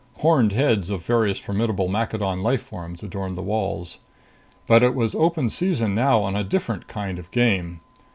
Horned heads of various formidable Maccadon life forms adorned the walls. But it was open season now on a different kind of game.